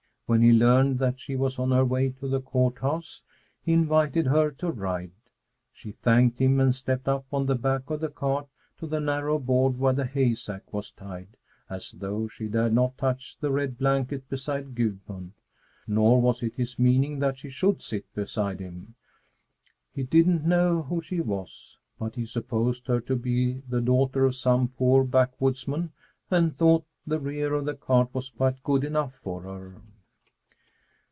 When he learned that she was on her way to the Court House, he invited her to ride. She thanked him and stepped up on the back of the cart to the narrow board where the hay sack was tied, as though she dared not touch the red blanket beside Gudmund. Nor was it his meaning that she should sit beside him. He didn't know who she was, but he supposed her to be the daughter of some poor backwoodsman and thought the rear of the cart was quite good enough for her.